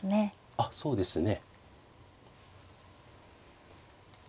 あっそうですね。